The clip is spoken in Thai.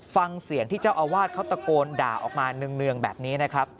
ฟังเสียงที่เจ้าอาวาสเขาตะโกนด่าออกมาเนืองแบบนี้นะครับ